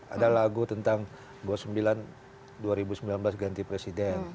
ada lagu tentang dua ribu sembilan belas ganti presiden